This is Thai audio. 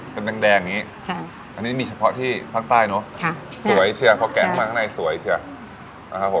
เป็นแดงนี้อันนี้มีเฉพาะที่ภาคใต้เนอะสวยเชียร์เพราะแกงมาข้างในสวยเชียร์